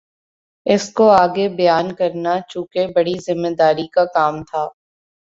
اِس کو آگے بیان کرنا چونکہ بڑی ذمہ داری کا کام تھا